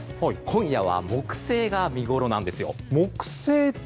今夜は木星が見ごろなんですよ。